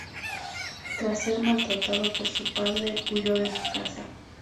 Tras ser maltratado por su padre, huyó de su casa.